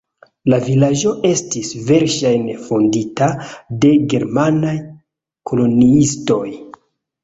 La vilaĝo estis verŝajne fondita de germanaj koloniistoj.